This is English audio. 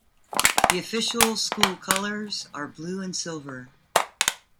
The official school colors are blue and silver.